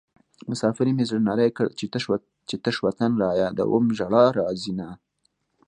مسافرۍ مې زړه نری کړ چې تش وطن رايادوم ژړا راځينه